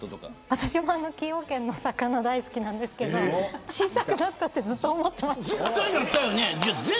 私も崎陽軒の魚大好きなんですけれど小さくなったってずっと思っていました。